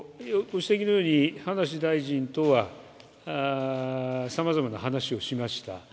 ご指摘のように葉梨大臣とはさまざまな話をしました。